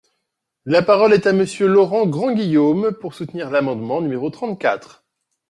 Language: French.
La parole est à Monsieur Laurent Grandguillaume, pour soutenir l’amendement numéro trente-quatre.